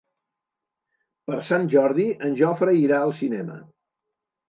Per Sant Jordi en Jofre irà al cinema.